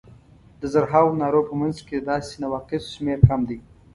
د زرهاوو نارو په منځ کې د داسې نواقصو شمېر کم دی.